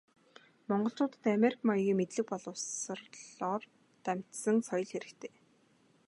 Монголчуудад америк маягийн мэдлэг боловсролоор дамжсан соёл хэрэгтэй.